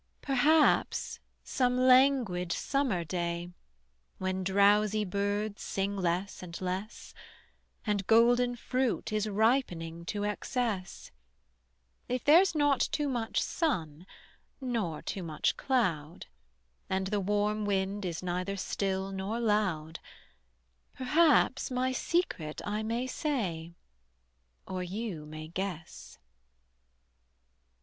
Perhaps some languid summer day, When drowsy birds sing less and less, And golden fruit is ripening to excess, If there's not too much sun nor too much cloud, And the warm wind is neither still nor loud, Perhaps my secret I may say, Or you may guess.